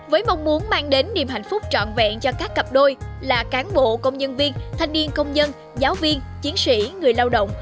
với mong muốn mang đến niềm hạnh phúc trọn vẹn cho các cặp đôi là cán bộ công nhân viên thanh niên công nhân giáo viên chiến sĩ người lao động